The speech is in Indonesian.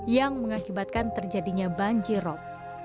yang mengakibatkan terjadinya banjirop